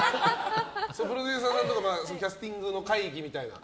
プロデューサーさんとかキャスティングの会議みたいな。